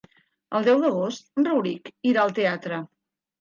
El deu d'agost en Rauric irà al teatre.